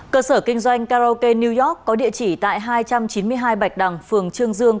cơ sở kinh doanh karaoke new york có địa chỉ tại hai trăm chín mươi hai bạch đằng phường trương dương